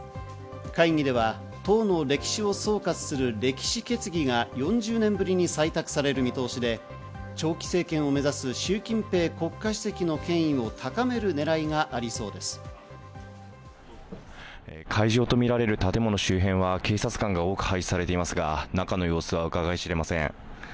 会議では党の歴史を総括する歴史決議が４０年ぶりに採択される見通しで、長期政権を目指すシュウ・キンペイ国家主席の権威を高めるねらい会場とみられる建物周辺は警察官が多く配置されていますが、中の様子はうかがい知れません。